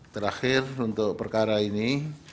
terakhir untuk perkara ini